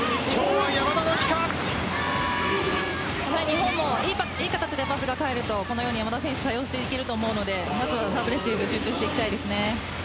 日本もいい形でパスが返るとこのように山田選手多用していけると思うのでサーブレシーブ注意していきたいですね。